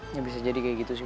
tidak bisa jadi begitu boy